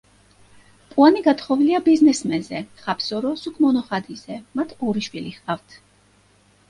პუანი გათხოვილია ბიზნესმენზე ხაპსორო სუკმონოხადიზე, მათ ორი შვილი ჰყავთ.